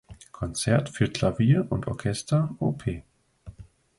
Konzert für Klavier und Orchester, Op.